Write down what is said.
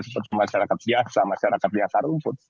seperti masyarakat biasa masyarakat biasa rumput